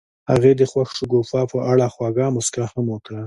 هغې د خوښ شګوفه په اړه خوږه موسکا هم وکړه.